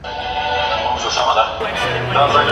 تاسې باید له طبیعت سره مینه وکړئ.